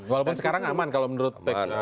walaupun sekarang aman kalau menurut pkb